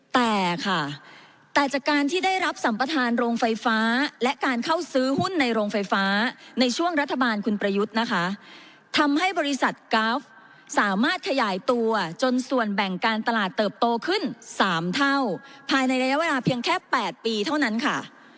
แต่ค่ะแต่จากการที่ได้รับสัมประธานโรงไฟฟ้าและการเข้าซื้อหุ้นในโรงไฟฟ้าในช่วงรัฐบาลคุณประยุทธ์นะคะทำให้บริษัทกราฟสามารถขยายตัวจนส่วนแบ่งการตลาดเติบโตขึ้น๓เท่าภายในระยะเวลาเพียงแค่๘ปีเท่านั้นค่ะ